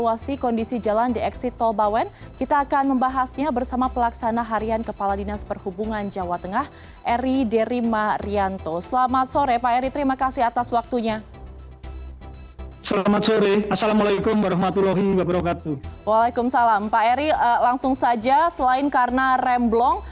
waalaikumsalam pak eri langsung saja selain karena remblong